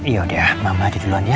yaudah mama di duluan ya